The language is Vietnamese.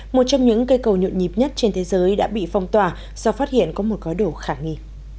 một trong những cây cầu nhộn nhịp nhất trên thế giới đã bị phong tỏa do phát hiện có một gói đổ khả nghi